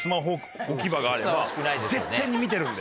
絶対に見てるんで。